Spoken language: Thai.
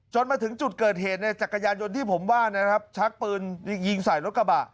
มาถึงจุดเกิดเหตุในจักรยานยนต์ที่ผมว่านะครับชักปืนยิงใส่รถกระบะ